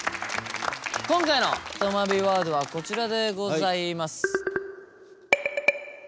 今回のとまビワードはこちらでございます。